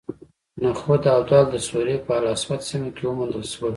نخود او دال د سوریې په الاسود سیمه کې وموندل شول.